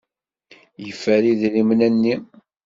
Yeffer idrimen-nni.